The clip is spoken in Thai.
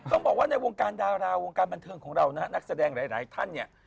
ต้องบอกว่าในวงการดาราวงการบันเทิงของเรานะฮะนักแสดงหลายท่านเนี่ย